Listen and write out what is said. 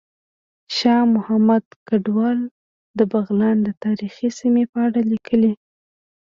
شاه محمود کډوال د بغلان د تاریخي سیمې په اړه ليکلي